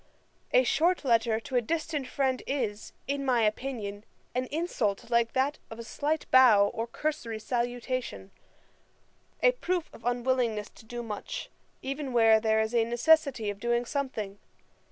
A short letter to a distant friend is, in my opinion, an insult like that of a slight bow or cursory salutation; a proof of unwillingness to do much, even where there is a necessity of doing something.